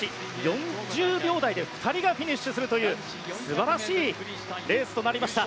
４０秒台で２人がフィニッシュするという素晴らしいレースとなりました。